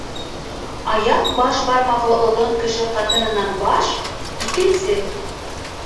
Аяҡ баш бармағы оҙон кеше ҡатынына баш, икенсе